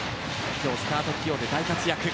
今日スタート起用で大活躍。